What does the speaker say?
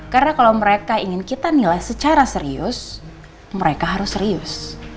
karena kalau mereka ingin kita nilai secara serius mereka harus serius